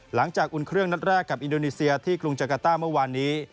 อุ่นเครื่องนัดแรกกับอินโดนีเซียที่กรุงจักรต้าเมื่อวานนี้